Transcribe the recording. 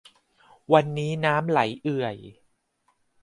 วันนี้น้ำไหลเอื่อย